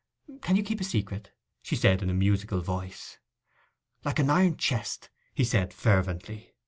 'You can keep a secret?' she said, in a musical voice. 'Like an iron chest!' said he fervently.